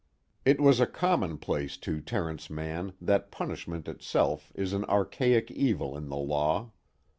It was a commonplace to Terence Mann that punishment itself is an archaic evil in the law.